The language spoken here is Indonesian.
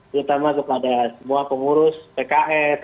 terutama kepada semua pengurus pks